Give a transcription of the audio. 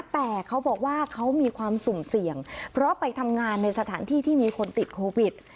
แต่เขาบอกว่าเขามีความสุ่มเสี่ยงเพราะไปทำงานในสถานที่ที่มีคนติดโควิด